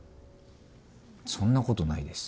そんなことないです。